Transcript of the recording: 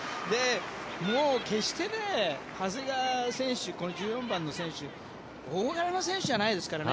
もう決して長谷川選手この１４番の選手大柄な選手じゃないですからね。